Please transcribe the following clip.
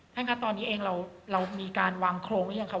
ท่านค่ะตอนนี้เองเรามีการวางโครงอย่างนี้ค่ะ